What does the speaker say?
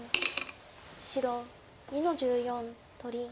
白２の十四取り。